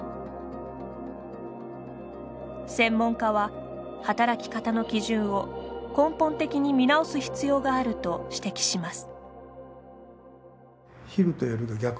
専門家は働き方の基準を根本的に見直す必要があると指摘します。